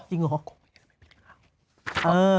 จริงหรือ